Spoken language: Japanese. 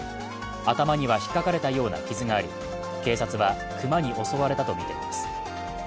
頭にはひっかかれたような傷があり警察は、熊に襲われたとみています。